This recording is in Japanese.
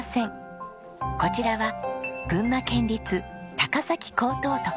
こちらは群馬県立高崎高等特別支援学校。